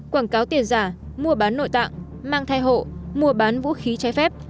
quảng cáo tiền giả mua bán nội tạng mang thai hộ mua bán vũ khí trái phép